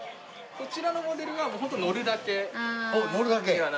こちらのモデルはホント乗るだけにはなります。